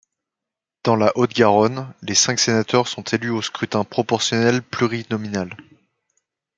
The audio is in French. Dans la Haute-Garonne, les cinq sénateurs sont élus au scrutin proportionnel plurinominal.